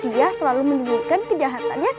dia selalu menyebutkan kejahatannya